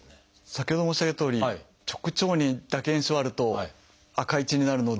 先ほど申し上げたとおり直腸にだけ炎症があると赤い血になるので。